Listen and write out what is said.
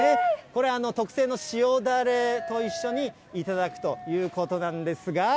これ、特製の塩だれと一緒に頂くということなんですが。